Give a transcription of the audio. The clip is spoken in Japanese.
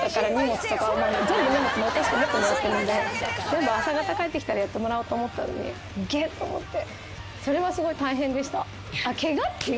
全部朝方帰ってきたらやってもらおうと思ってたのにゲッと思ってそれはすごい大変でした。